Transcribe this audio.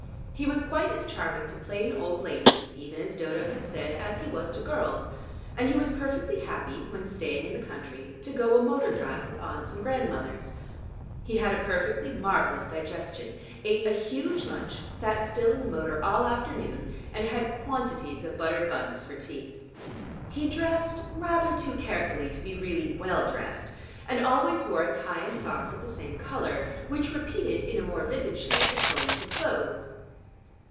He was quite as charming to plain old ladies, even as Dodo had said, as he was to girls, and he was perfectly happy, when staying in the country, to go a motor drive with aunts and grandmothers. He had a perfectly marvelous digestion; ate a huge lunch, sat still in the motor all afternoon, and had quantities of buttered buns for tea. He dressed rather too carefully to be really well dressed and always wore a tie and socks of the same color, which repeated in a more vivid shade the tone of his clothes.